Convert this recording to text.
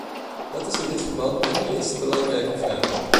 Dat is in dit verband mijn eerste belangrijke vraag.